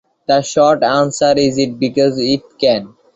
The short answer is it because it can.